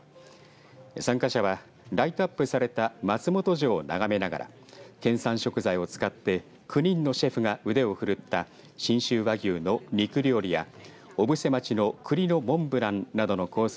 参加者はライトアップされた松本城を眺めながら県産食材を使って９人のシェフが腕をふるった信州和牛の肉料理や小布施町のくりのモンブランなどのコース